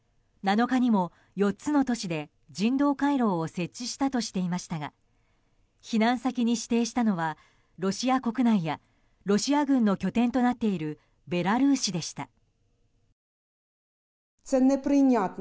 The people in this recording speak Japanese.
７日にも４つの都市で人道回廊を設置したとしていましたが避難先に指定したのはロシア国内やロシア軍の拠点となっているベラルーシでした。